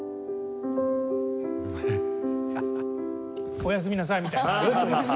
「おやすみなさい」みたいな。